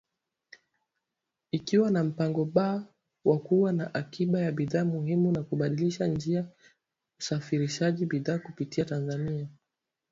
Ikiwa na mpango B wa kuwa na akiba ya bidhaa muhimu na kubadilisha njia usafarishaji bidhaa kupitia Tanzania